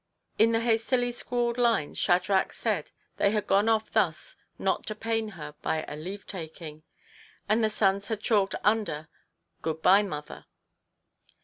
In the hastily scrawled lines Shadrach said they had gone off thus not to pain her by a leave taking ; and the sons had chalked under, " Good bye, mother."